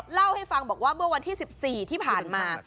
เล่าให้ฟังบอกว่าเมื่อวันที่๑๔ที่ผ่านมา